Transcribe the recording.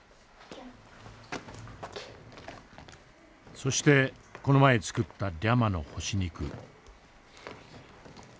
そしてこの前作ったリャマの干し肉。